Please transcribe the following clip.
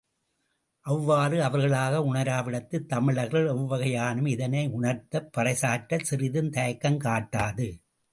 அவ்வாறு அவர்களாக உணராவிடத்து, தமிழர்கள் எவ்வகையானும் இதனை உணர்த்த, பறைசாற்றச் சிறிதும் தயங்கக் கட்டாது.